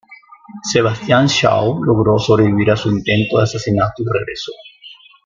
Sebastian Shaw logró sobrevivir a su intento de asesinato y regresó.